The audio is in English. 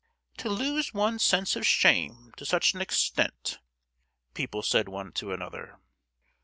"To lose one's sense of shame to such an extent!" people said one to another.